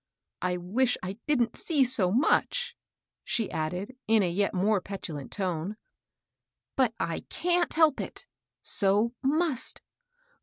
I wish I didn't see so much," she added, in a yet more petulant tone," but I can't helg^it — so must.